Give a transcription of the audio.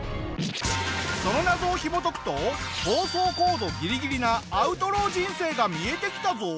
その謎をひもとくと放送コードギリギリなアウトロー人生が見えてきたぞ！